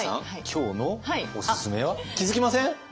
今日のオススメは気付きません？